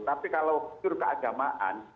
tapi kalau itu adalah keagamaan